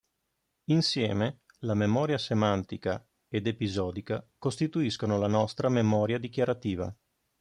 Insieme, la memoria semantica ed episodica costituiscono la nostra memoria dichiarativa.